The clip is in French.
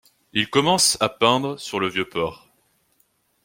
Il commence à peindre sur le vieux port.